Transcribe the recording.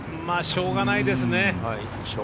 しょうがないですね。